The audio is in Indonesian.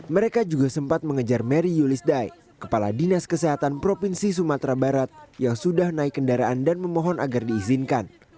mereka juga sempat mengejar mary yulis dae kepala dinas kesehatan provinsi sumatera barat yang sudah naik kendaraan dan memohon agar diizinkan